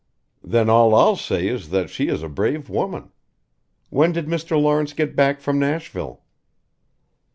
"Then all I'll say is that she is a brave woman. When did Mr. Lawrence get back from Nashville?"